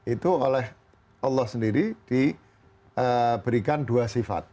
itu oleh allah sendiri diberikan dua sifat